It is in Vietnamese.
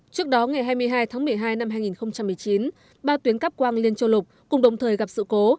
trước đó ngày hai mươi hai tháng một mươi hai năm hai nghìn một mươi chín ba tuyến cắp quang liên châu lục cùng đồng thời gặp sự cố